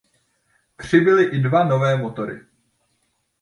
Přibyly i dva nové motory.